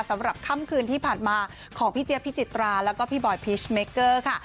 สำหรับค่ำคืนที่ผ่านมาของพี่เจี๊ยพิจิตราแล้วก็พี่บอยพีชเมเกอร์ค่ะ